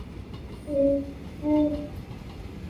旁枝轴孔珊瑚为轴孔珊瑚科轴孔珊瑚属下的一个种。